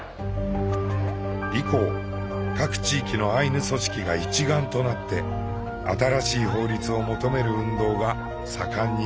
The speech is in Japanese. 以降各地域のアイヌ組織が一丸となって新しい法律を求める運動が盛んになります。